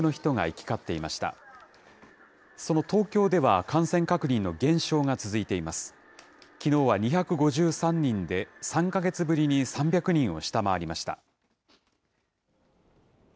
きのうは２５３人で、３か月ぶりに３００人を下回りました。